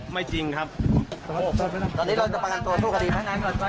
ไม่จริงครับตอนนี้เราจะประกันตัวสู้ความดีทั้งนั้น